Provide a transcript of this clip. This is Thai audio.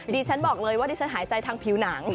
ฉันบอกเลยว่าดิฉันหายใจทางผิวหนัง